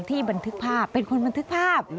บันทึกภาพเป็นคนบันทึกภาพ